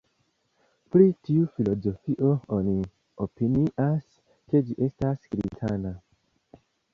Pri tiu filozofio oni opinias, ke ĝi estas kristana.